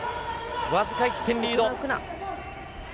僅か１点リード。